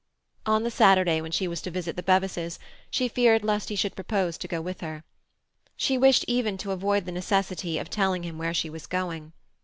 On the Saturday when she was to visit the Bevises she feared lest he should propose to go with her. She wished even to avoid the necessity of telling him where she was going.